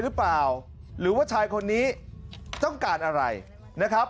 หรือเปล่าหรือว่าชายคนนี้ต้องการอะไรนะครับ